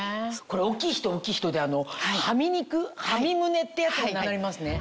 これ大きい人は大きい人ではみ肉はみ胸ってやつがなくなりますね。